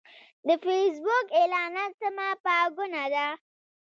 د فېسبوک اعلانات سمه پانګونه ده.